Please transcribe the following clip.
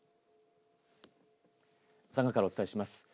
佐賀からお伝えします。